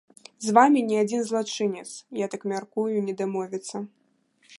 З вамі ні адзін злачынец, я так мяркую, не дамовіцца.